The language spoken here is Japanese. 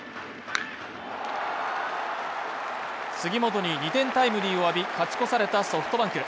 杉本に２点タイムリーを浴び、勝ち越されたソフトバンク。